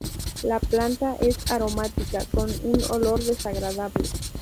La planta es aromática, con un olor desagradable.